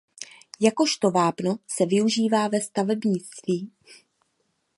Jakožto vápno se využívá ve stavebnictví.